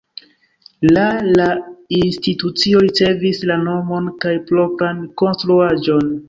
La la institucio ricevis la nomon kaj propran konstruaĵon.